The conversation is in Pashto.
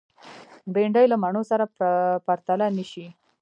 بېنډۍ له مڼو سره پرتله نشي